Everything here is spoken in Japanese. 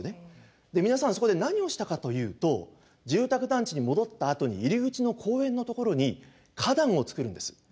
で皆さんはそこで何をしたかというと住宅団地に戻ったあとに入り口の公園のところに花壇を作るんです。